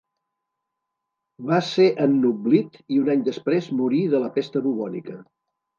Va ser ennoblit i un any després morí de la pesta bubònica.